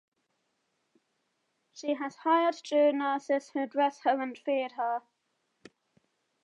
She has hired two nurses who dress her and feed her.